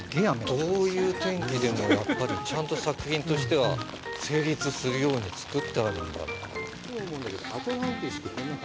どういう天気でもやっぱりちゃんと作品としては成立するように作ってあるんだなあ。